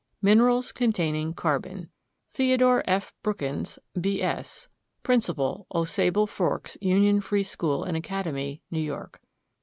MINERALS CONTAINING CARBON. THEO. F. BROOKINS, B. S., Principal Au Sable Forks Union Free School and Academy, New York.